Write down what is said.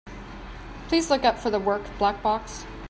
Please look up for the work, Black Box.